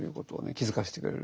気付かせてくれる。